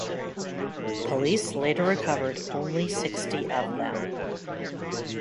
Police later recovered only sixty of them.